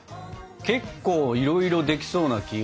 結構いろいろできそうな気が。